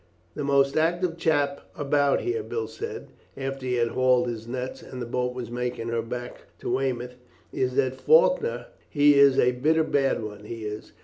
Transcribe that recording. "The most active chap about here," Bill said after he had hauled his nets, and the boat was making her way back to Weymouth, "is that Faulkner. He is a bitter bad one, he is.